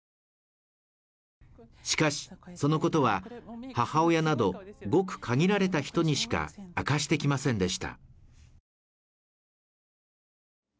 しかしそのことは母親などごく限られた人にしか明かしてきませんでした